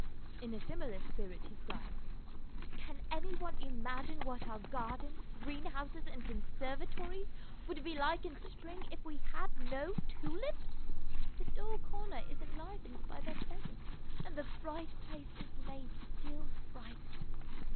In a similar spirit he cries, " Can any one imagine what our gardens, greenhouses, and conservatories would be like in spring if we had no tulips? ... The dull corner is enlivened by their presence, and the bright place is made still brighter."